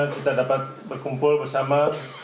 kita dapat berkumpul bersama